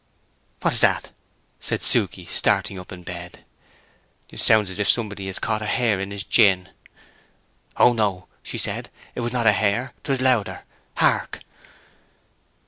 "What's that?" said Suke, starting up in bed. "Sounds as if somebody had caught a hare in his gin." "Oh no," said she. "It was not a hare, 'twas louder. Hark!"